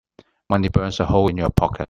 Money burns a hole in your pocket.